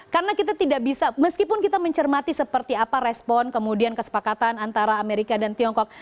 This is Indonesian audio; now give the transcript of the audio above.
karena kita tidak bisa meskipun kita mencermati seperti apa respon kemudian kesepakatan antara amerika dan tiongkok